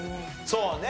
そうね。